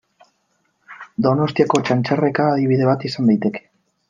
Donostiako Txantxerreka adibide bat izan daiteke.